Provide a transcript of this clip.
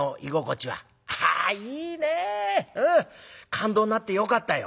勘当になってよかったよ」。